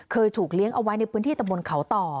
เคยถูกเลี้ยงเอาไว้ในพื้นที่ตะบนเขาต่อ